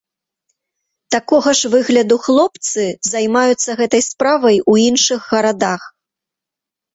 Такога ж выгляду хлопцы займаюцца гэтай справай у іншых гарадах.